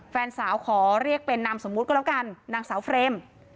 แฟนสาวขอเรียกเป็นนามสมมุติก็แล้วกันนางสาวเฟรม